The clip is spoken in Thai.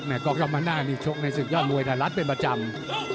แกร่งเลยนะครับแม่ก็เอามาหน้ามีโชคในศึกยอดมวยไทยรัฐเป็นประจำ